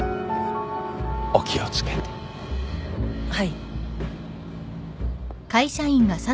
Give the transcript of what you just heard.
はい。